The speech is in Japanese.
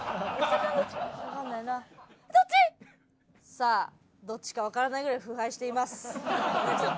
さあどっちかわからないぐらい腐敗しています。